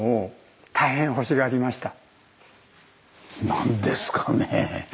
何ですかね？